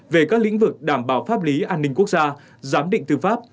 về các lĩnh vực đảm bảo pháp lý an ninh quốc gia giám định tư pháp